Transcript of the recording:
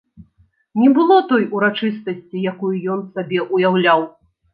Не было той урачыстасці, якую ён сабе ўяўляў.